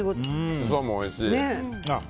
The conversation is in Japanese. シソもおいしい。